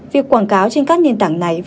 việc quảng cáo trên các nền tảng này